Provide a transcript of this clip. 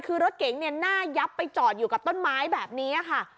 คือรถเก๋งเนี่ยหน้ายับไปจอดอยู่กับต้นไม้แบบนี้ค่ะ